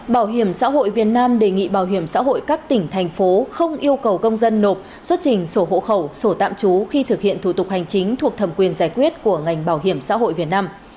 bảo hiểm xã hội việt nam đề nghị bảo hiểm xã hội các tỉnh thành phố không yêu cầu công dân nộp xuất trình sổ hộ khẩu sổ tạm trú khi thực hiện thủ tục hành chính thuộc thẩm quyền giải quyết của ngành bảo hiểm xã hội việt nam